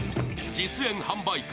実演販売界